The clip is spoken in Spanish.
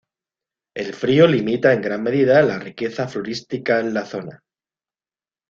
El frío limita en gran medida la riqueza florística en la zona.